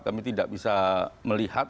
kami tidak bisa melihat